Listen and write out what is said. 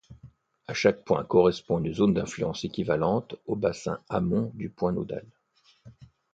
À chaque point correspond une zone d'influence équivalente au bassin amont du point nodal.